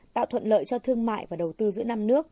tạo thuận lợi cho thương mại và đầu tư giữa năm nước